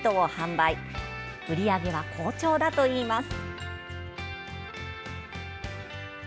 売り上げは好調だといいます。